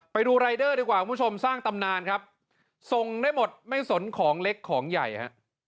ไปดูรายเดอร์ดีกว่าคุณผู้ชมสร้างตำนานครับส่งได้หมดไม่สนของเล็กของใหญ่ฮะ